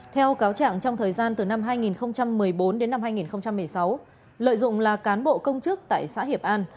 theo cáo trạng trong thời gian từ năm hai nghìn một mươi bốn đến năm hai nghìn một mươi sáu lợi dụng là cán bộ công chức tại xã hiệp an